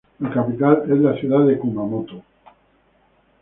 La capital es la ciudad de Kumamoto.